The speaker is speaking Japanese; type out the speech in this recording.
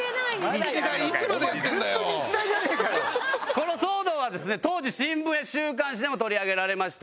この騒動はですね当時新聞や週刊誌でも取り上げられました。